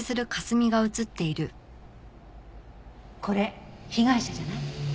これ被害者じゃない？